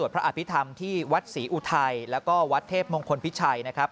พระอภิษฐรรมที่วัดศรีอุทัยแล้วก็วัดเทพมงคลพิชัยนะครับ